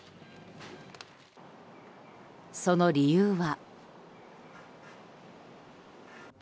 その理由は。